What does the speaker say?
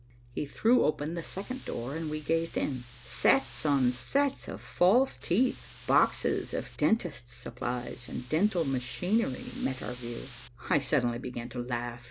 He threw open the second door and we gazed in. Sets on sets of false teeth, boxes of dentist's supplies and dental machinery met our view. I suddenly began to laugh.